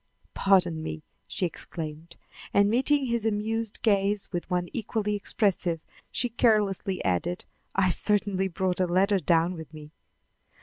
"Pardon me," she exclaimed; and, meeting his amused gaze with one equally expressive, she carelessly added: "I certainly brought a letter down with me."